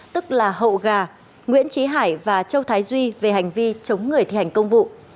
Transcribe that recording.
tức là hậu gà nguyễn trí hải và châu thái duy về hành vi chống người thi hành công vụ